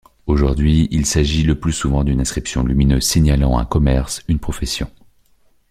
Aujourd'hui, il s'agit le plus souvent d'une inscription lumineuse signalant un commerce, une profession.